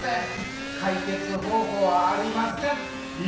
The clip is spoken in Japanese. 解決方法はありますか？」っていう。